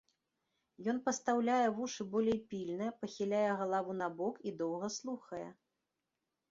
Ён пастаўляе вушы болей пільна, пахіляе галаву набок і доўга слухае.